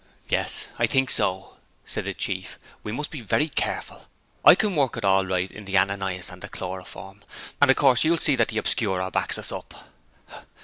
'Yes, I think so,' said the Chief. 'We must be very careful. I can work it all right in the Ananias and the Chloroform, and of course you'll see that the Obscurer backs us up.'